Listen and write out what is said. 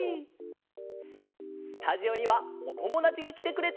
スタジオにはおともだちがきてくれています！